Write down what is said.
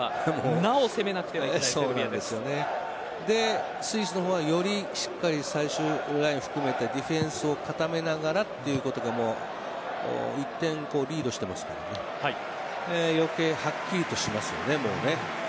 なお攻めていかなくてはスイスの方はよりしっかり最終ライン含めてディフェンスを固めながらということが１点リードしてますから余計はっきりとしますよね。